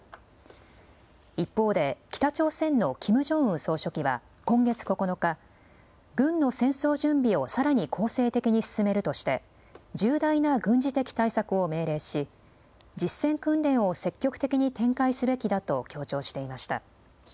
一方で北朝鮮のキム・ジョンウン総書記は今月９日、軍の戦争準備をさらに攻勢的に進めるとして重大な軍事的対策を命令し実戦訓練を積極的に展開すべきだと強調していました。